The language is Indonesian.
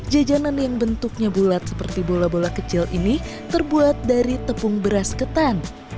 jajanan yang bentuknya bulat seperti bola bola kecil ini terbuat dari tepung beras ketan